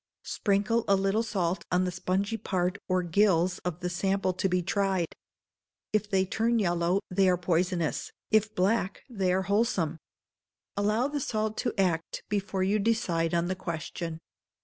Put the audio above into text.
Sprinkle a little salt on the spongy part or gills of the sample to be tried. If they turn yellow, they are poisonous, if black, they are wholesome. Allow the salt to act, before you decide on the question.